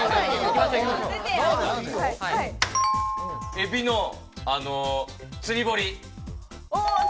エビの釣り堀。